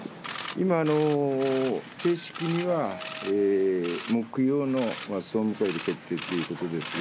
今、正式には、木曜の総務会で決定することですが、